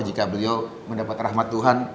jika beliau mendapat rahmat tuhan